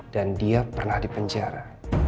dan dia pernah di penjara